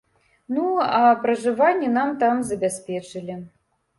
Ну, а пражыванне нам там забяспечылі.